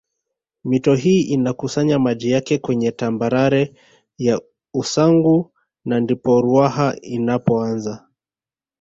Mito hii inakusanya maji yake kwenye tambarare ya Usangu na ndipo Ruaha inapoanza